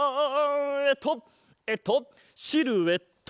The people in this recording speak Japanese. えっとえっとシルエット！